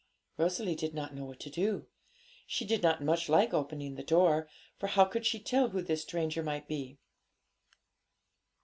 Rosalie did not know what to do. She did not much like opening the door, for how could she tell who this stranger might be?